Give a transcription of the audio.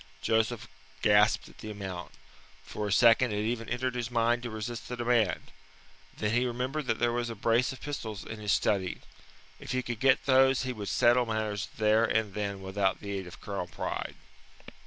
Joseph gasped at the amount. For a second it even entered his mind to resist the demand. Then he remembered that there was a brace of pistols in his study; if he could get those he would settle matters there and then without the aid of Colonel Pride.